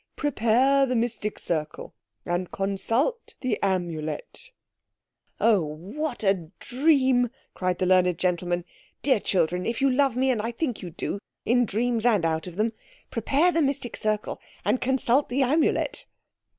Prepare the mystic circle and consult the Amulet." "Oh, what a dream!" cried the learned gentleman. "Dear children, if you love me—and I think you do, in dreams and out of them—prepare the mystic circle and consult the Amulet!"